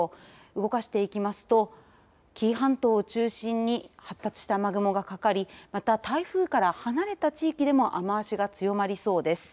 動かしていきますと紀伊半島を中心に発達した雨雲がかかり、また台風から離れた地域でも雨足が強まりそうです。